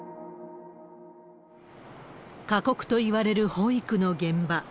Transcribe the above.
過酷といわれる保育の現場。